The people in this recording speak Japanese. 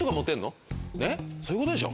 ねっそういうことでしょ。